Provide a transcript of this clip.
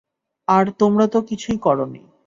আর তোমরা তো কিছুই করোনি।